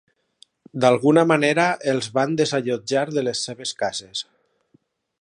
D'alguna manera, els van desallotjar de les seves cases.